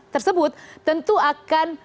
tersebut tentu akan